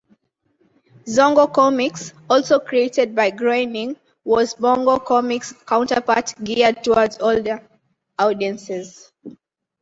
Zongo Comics, also created by Groening, was Bongo Comics' counterpart geared towards older audiences.